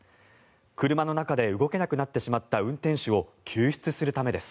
車の中で動けなくなってしまった運転手を救出するためです。